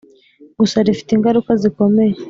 gusa rifite ingaruka zikomeye,